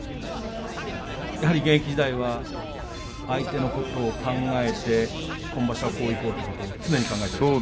やはり現役時代は相手のことを考えて今場所はこういこうということを常に考えていたんですか。